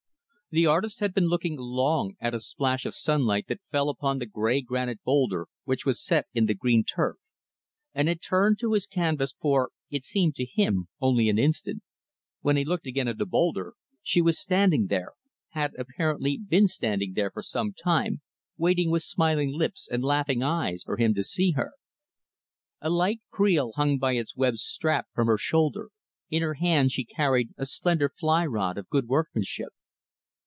The artist had been looking long at a splash of sunlight that fell upon the gray granite boulder which was set in the green turf, and had turned to his canvas for it seemed to him only an instant. When he looked again at the boulder, she was standing there had, apparently, been standing there for some time, waiting with smiling lips and laughing eyes for him to see her. A light creel hung by its webbed strap from her shoulder; in her hand, she carried a slender fly rod of good workmanship.